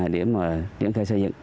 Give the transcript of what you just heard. để mà kiến khai xây dựng